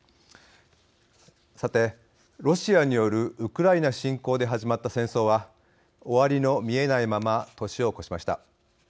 さて、ロシアによるウクライナ侵攻で始まった戦争は終わりの見えないまま年を越しました。